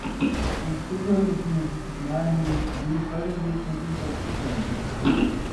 In Schuttern befindet sich das Naherholungsgebiet „Baggersee Campingplatz Schuttern“.